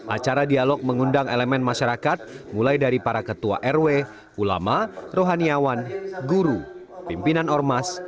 acara dialog mengundang elemen masyarakat mulai dari para ketua rw ulama rohaniawan guru pimpinan ormas